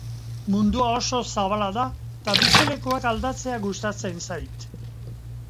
Mundua oso zabala da, eta bizilekuak aldatzea gustatzen zait.